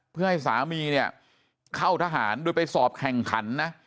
เพื่อให้สามีเนี่ยเข้าทหารโดยไปสอบแข่งขันนะ